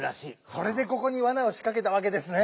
それでここにわなをしかけたわけですね。